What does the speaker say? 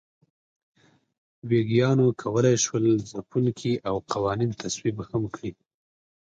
ویګیانو کولای شول ځپونکي او قوانین تصویب هم کړي.